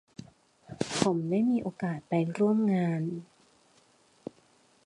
ผมได้มีโอกาสไปร่วมงาน